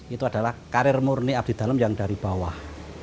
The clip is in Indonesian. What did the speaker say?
itu adalah karir murni abdi dalam yang dari bawah